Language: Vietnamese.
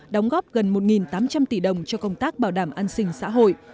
đóng góp gần một tám trăm linh tỷ đồng cho công tác bảo đảm an sinh xã hội